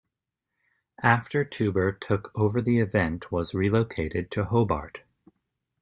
After Touber took over the event was relocated to Hobart.